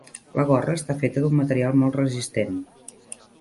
La gorra està feta d'un material molt resistent.